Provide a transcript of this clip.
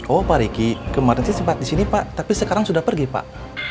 oh pak riki kemarin sih sempat di sini pak tapi sekarang sudah pergi pak